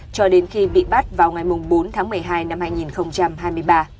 cho đến khi bị bắt vào ngày bốn tháng một mươi hai năm hai nghìn hai mươi ba